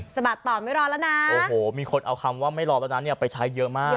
สะบัดต่อไม่รอแล้วนะโอ้โหมีคนเอาคำว่าไม่รอแล้วนะเนี่ยไปใช้เยอะมาก